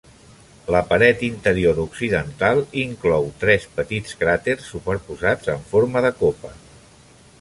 La paret interior occidental inclou tres petits cràters superposats en forma de copa.